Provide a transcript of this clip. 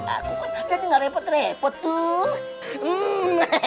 aku pun dia gak repot repot tuh